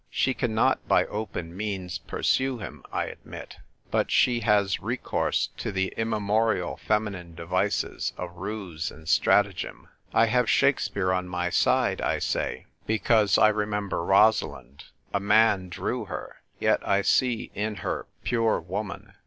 She cannot by open means pursue him, I admit ; but she has re course to the immemorial feminine devices of ruse and stratagem. I have Shakespeare on my side, I say. AN AUTUMN HOLIDAY. 201 because I remember Rosalind. A man drew her; yet I see in her pure woman.